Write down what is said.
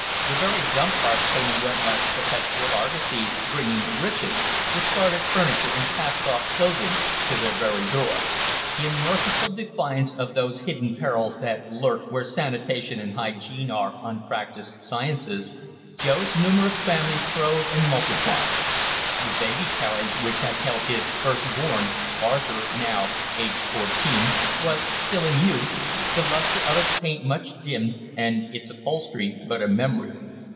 The very dump carts came and went like perpetual argosies, bringing riches discarded furniture and cast off clothing to their very door. In merciful defiance of those hidden perils that lurk where sanitation and hygiene are unpractised sciences, Joe's numerous family throve and multiplied. The baby carriage which had held his firstborn, Arthur, now aged fourteen, was still in use, the luster of its paint much dimmed and its upholstery but a memory.